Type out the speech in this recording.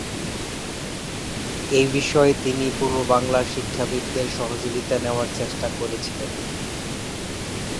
এ বিষয়ে তিনি পূর্ব বাংলার শিক্ষাবিদদের সহযোগিতা নেওয়ার চেষ্টা করেছিলেন।